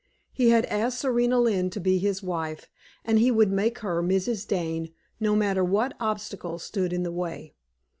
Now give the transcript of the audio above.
He had asked Serena Lynne to be his wife, and he would make her Mrs. Dane, no matter what obstacles stood in the way.